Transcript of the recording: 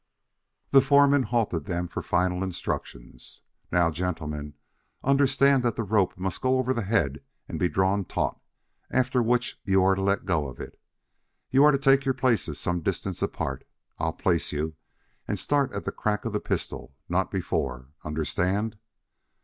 The foreman halted them for final instructions. "Now, gentlemen, understand that the rope must go over the head and be drawn taut, after which you are to let go of it. You are to take your places some distance apart I'll place you and start at the crack of the pistol, not before. Understand?"